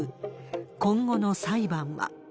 今後の裁判は。